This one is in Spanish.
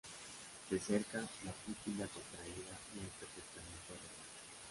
De cerca, la pupila contraída no es perfectamente redonda.